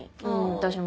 私も。